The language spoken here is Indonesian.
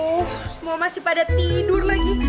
oh mau masih pada tidur lagi